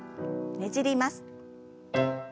ねじります。